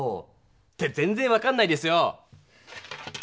って全ぜん分かんないですよ！